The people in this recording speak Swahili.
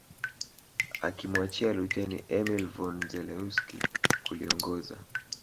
Akimwachia Luteni Emil von Zelewski kuliongoza